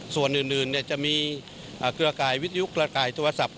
ส่วนอื่นอื่นเนี้ยจะมีอ่าเครือข่ายวิทยุเครือข่ายโทรศัพท์